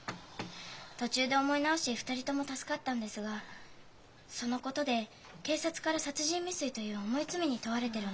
途中で思い直し２人とも助かったんですがそのことで警察から殺人未遂という重い罪に問われてるんです。